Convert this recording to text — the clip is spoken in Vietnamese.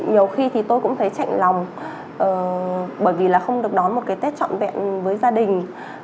nhiều khi thì tôi cũng thấy chạy lòng bởi vì là không được đón một cái tết trọn vẹn với gia đình